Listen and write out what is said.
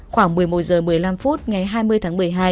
khoảng một mươi một h một mươi năm phút ngày hai mươi tháng một mươi hai